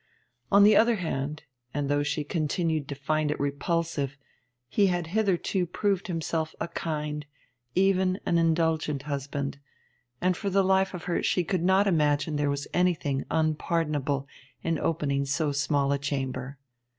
On the other hand, and though she continued to find it repulsive, he had hitherto proved himself a kind, even an indulgent husband, and for the life of her she could not imagine there was anything unpardonable in opening so small a chamber.